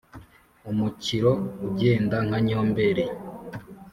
umukiro ugenda nka nyomberi